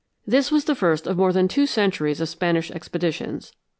This was the first of more than two centuries of Spanish expeditions.